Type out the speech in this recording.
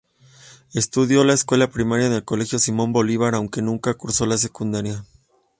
Estudió la escuela primaria en el Colegio Simón Bolívar, aunque nunca cursó la secundaria.